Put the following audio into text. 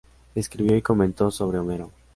Escribió y comentó sobre Homero.